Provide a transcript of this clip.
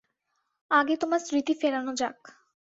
আগে তোমার স্মৃতি ফেরানো যাক।